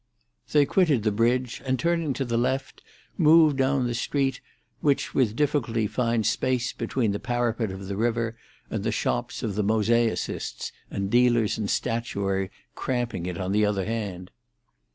They quitted the bridge, and turning to the left, moved down the street which with difficulty finds space between the parapet of the river and the shops of the mosaicists and dealers in statuary cramping it on the other hand.